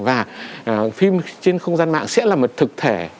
và phim trên không gian mạng sẽ là một thực thể